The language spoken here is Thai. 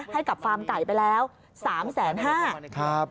ให้กับฟาร์มไก่ไปแล้วสามแสนห้า